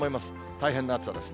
大変な暑さです。